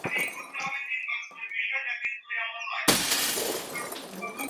একেবারে মথের মত আগুনে টেনেছে।